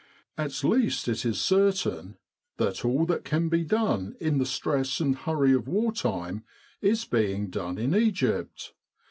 At least it is certain that all that can be done in the stress and hurry of war time is being done in Egypt.